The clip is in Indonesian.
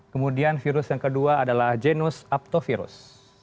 kemudian virus yang kedua adalah jenus aptovirus